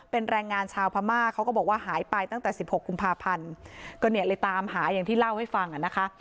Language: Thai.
เป็นแรงงานชาวพม่าเขาก็บอกว่าหายไปตั้งแต่สิบหกกุมภาพันธ์ก็เนี่ยเลยตามหาอย่างที่เล่าให้ฟังอ่ะนะคะ